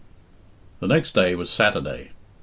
The next day was Saturday.